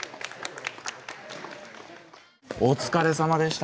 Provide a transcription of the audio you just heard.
お疲れさまでした。